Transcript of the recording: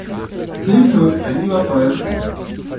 Hilfe ein Überfall!